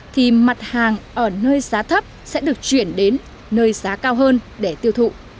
thì mặt hàng ở nơi giá thấp sẽ được chuyển đến nơi giá cao hơn để tiêu thụ